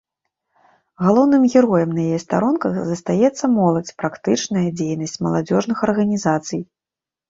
Галоўным героем на яе старонках застаецца моладзь, практычная дзейнасць маладзёжных арганізацый.